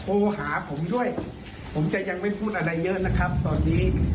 โทรหาผมด้วยผมจะยังไม่พูดอะไรเยอะนะครับตอนนี้